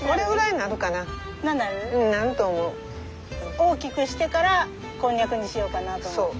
大きくしてからコンニャクにしようかなと思って。